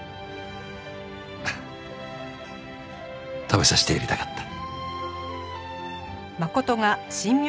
食べさせてやりたかった。